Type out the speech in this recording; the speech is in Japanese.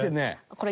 これ。